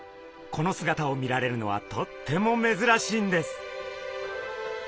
この姿を見られるのはとってもめずらしいんです！